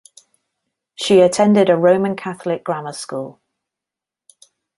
She attended a Roman Catholic grammar school.